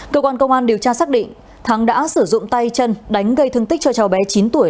cơ quan công an điều tra xác định thắng đã sử dụng tay chân đánh gây thương tích cho cháu bé chín tuổi